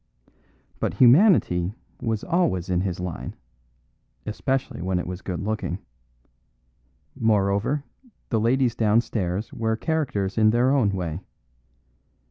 But humanity was always in his line, especially when it was good looking; moreover, the ladies downstairs were characters in their way.